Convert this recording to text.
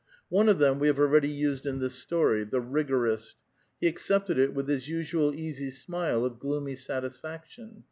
One of them we have already used in this story, — ''the rigorist" ; he accepted it with his usual easy smile of gloomy satisfaction.